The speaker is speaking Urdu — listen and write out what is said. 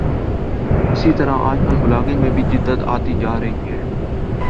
اسی طرح آج کل بلاگنگ میں بھی جدت آتی جا رہی ہے